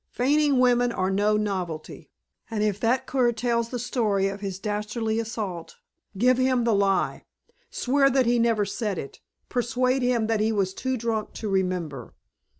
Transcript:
Fainting women are no novelty. And if that cur tells the story of his dastardly assault, give him the lie. Swear that he never said it. Persuade him that he was too drunk to remember."